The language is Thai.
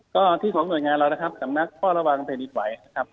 ก็ที่ของหน่วยงานเรานะครับสำนักเฝ้าระวังแผ่นดินไหวนะครับ